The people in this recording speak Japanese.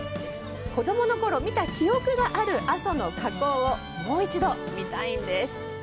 子供のころ見た記憶がある阿蘇の火口をもう一度見たいんです。